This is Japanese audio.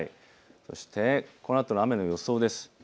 そしてこのあとの雨の予想です。